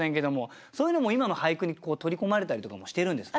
そういうのも今の俳句に取り込まれたりとかもしてるんですか？